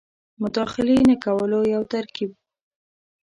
مداخلې نه کولو یو ترکیب وو.